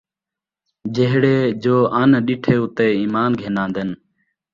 جِہڑے جو اَن ݙِٹھے اُتے ایمان گِھن آن٘دِن۔